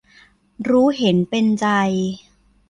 รู้เห็นเป็นใจ